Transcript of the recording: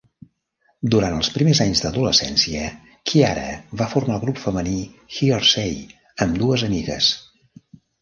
Durant els primers anys d'adolescència, Ciara va formar el grup femení Hearsay amb dues amigues.